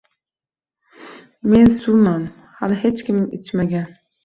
Men suvman, hali hech kim ichmagan